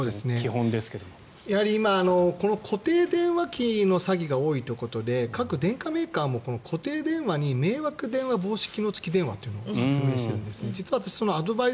やはり今、固定電話機の詐欺が多いということで各メーカーも固定電話に迷惑電話防止機能付き電話を開発している。